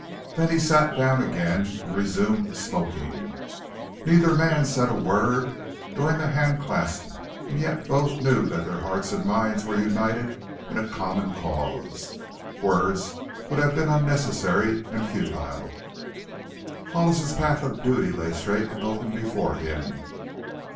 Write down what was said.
Then he sat down again and resumed smoking. Neither man said a word during the hand clasp and yet both knew that their hearts and minds were united in a common cause. Words would have been unnecessary and futile. Hollis's path of duty lay straight and open before him.